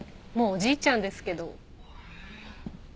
もうおじいちゃんですけど。